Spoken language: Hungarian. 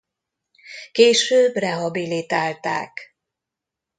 Később rehabilitálták.